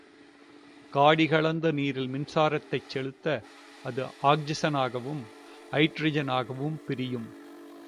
காடி கலந்த நீரில் மின்சாரத்தைச் செலுத்த, அது ஆக்சிஜனாகவும் அய்டிரஜனாகவும் பிரியும்.